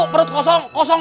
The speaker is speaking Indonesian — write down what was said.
satu perut kosong